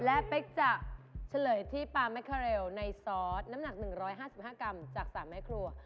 และเป๊กจะเฉลยที่ปลาแมคาเรลในซอสน้ำหนัก๑๕๕กรัมจาก๓แม่ครัว